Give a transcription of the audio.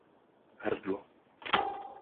Hrdlo.